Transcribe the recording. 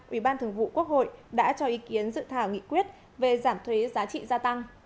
ủy ban thường vụ quốc hội đã cho ý kiến dự thảo nghị quyết về giảm thuế giá trị gia tăng